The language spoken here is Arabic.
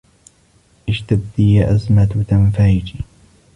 اشتدي يا أزمة تنفرجي